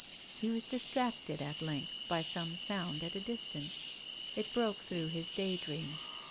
He was distracted at length by some sound at a distance. It broke through his day dream.